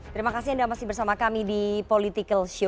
terima kasih anda masih bersama kami di political show